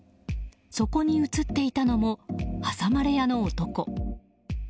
そこに写っていたのも挟まれ屋の男。